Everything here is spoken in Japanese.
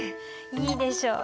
いいでしょう？